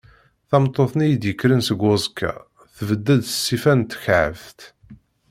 Tameṭṭut-nni i d-yekkren seg uẓekka, tbedd-d s ṣṣifa n tekɛebt.